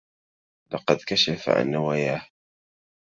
لقد كشف عن نواياه.